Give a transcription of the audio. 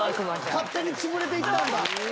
勝手に潰れていったんだ。